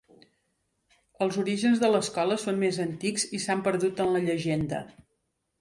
Els orígens de l'escola són més antics i s'han perdut en la llegenda.